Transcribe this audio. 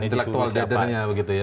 siapa delaktual dadernya begitu ya